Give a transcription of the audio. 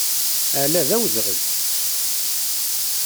Ala d awezɣi!